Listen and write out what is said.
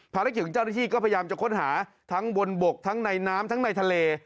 ภารกิจของเจ้าหน้าที่ก็พยายามจะค้นหาทั้งบนบกทั้งในน้ำทั้งในทะเล